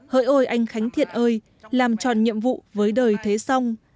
hỡi ôi anh khánh thiện ơi làm tròn nhiệm vụ với đời thế xong